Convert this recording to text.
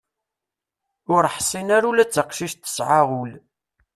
Ur ḥsin ara ula d taqcict tesɛa ul.